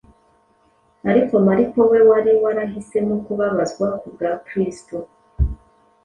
Ariko Mariko we wari warahisemo kubabazwa ku bwa Kristo,